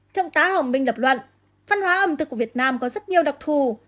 thượng tá hồng minh lập luận văn hóa ẩm thực của việt nam có rất nhiều đặc thù